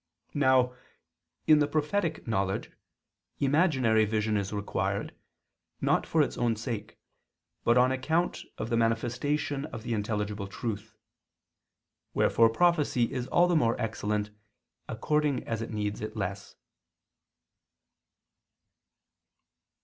Now, in the prophetic knowledge, imaginary vision is required, not for its own sake, but on account of the manifestation of the intelligible truth. Wherefore prophecy is all the more excellent according as it needs it less.